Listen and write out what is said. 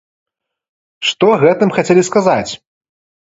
Што гэтым хацелі сказаць?